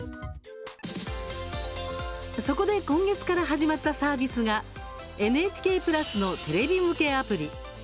そこで今月から始まったサービスがＮＨＫプラスのテレビ向けアプリ。